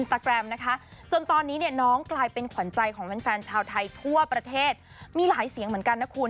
โตไว้ตัวเลยรักน่าฟัดมากเลย